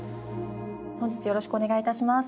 本日よろしくお願いいたします。